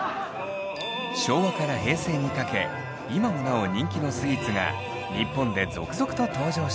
昭和から平成にかけ今もなお人気のスイーツが日本で続々と登場しました。